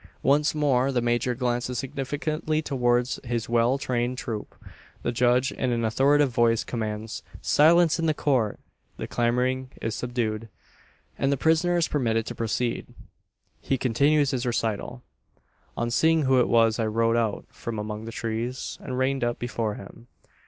Once more the major glances significantly towards his well trained troop; the judge in an authoritative voice commands "Silence in the Court!" the clamouring is subdued; and the prisoner is permitted to proceed. He continues his recital: "On seeing who it was, I rode out from among the trees, and reined up before him.